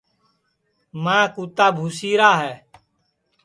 ماں کُوتا بھُوسِیرا ہے